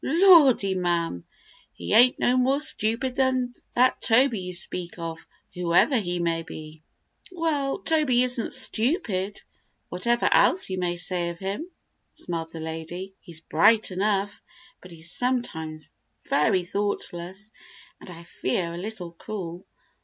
"Lordy, ma'm! he ain't no more stupid than that Toby you speak of, whoever he may be." "Well, Toby isn't stupid, whatever else you may say of him," smiled the lady. "He's bright enough, but he's sometimes very thoughtless, and I fear a little cruel."